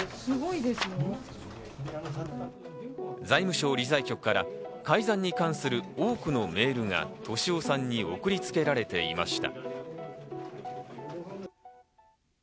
財務省理財局から改ざんに関する多くのメールが俊夫さんに送りつけられていました。